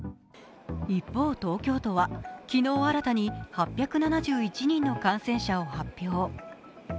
一方、東京都は昨日新たに８７１人の感染者を発表。